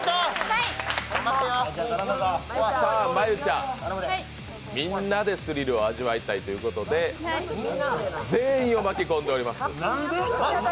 真悠ちゃん、みんなでスリルを味わいたいということで全員を巻き込んでいます。